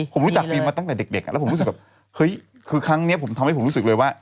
ผมรู้จักฟิล์มมาตั้งแต่เด็กแล้วผมรู้สึกแบบเฮ้ยคือครั้งนี้ผมทำให้ผมรู้สึกเลยว่า